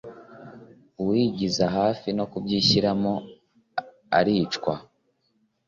uwiyigiza hafi no kubyishyiramo aricwa